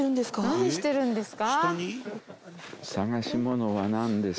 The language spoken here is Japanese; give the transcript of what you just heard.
何してるんですか？